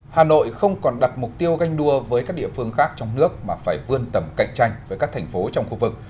hà nội không còn đặt mục tiêu ganh đua với các địa phương khác trong nước mà phải vươn tầm cạnh tranh với các thành phố trong khu vực